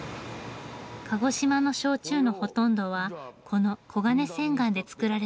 鹿児島の焼酎のほとんどはこのコガネセンガンで造られています。